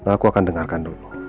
aku akan dengarkan dulu